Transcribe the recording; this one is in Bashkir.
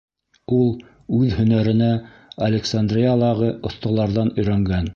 Ул үҙ һөнәренә Александриялағы оҫталарҙан өйрәнгән.